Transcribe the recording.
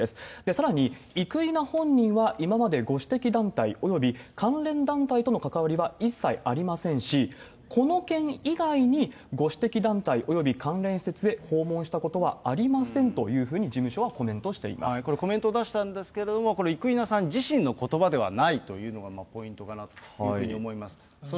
さらに、生稲本人は今までご指摘団体、および関連団体との関わりは一切ありませんし、この件以外に、ご指摘団体および関連施設へ訪問したことはありませんというふうこれ、コメントを出したんですけれども、これ、生稲さん自身のことばではないというのがポイントかなというふうに思います。